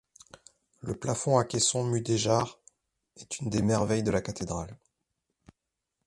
Le plafond à caissons mudéjar est une des merveilles de la cathédrale.